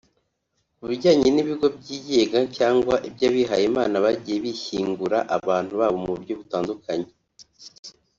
Ku bijyanye n’ibigo byigenga cyangwa abihayimana bagiye bishyingura abantu babo mu buryo butandukanye